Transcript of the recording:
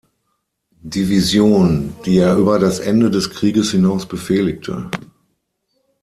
Division, die er über das Ende des Krieges hinaus befehligte.